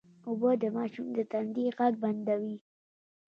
اوبه د ماشوم د تندې غږ بندوي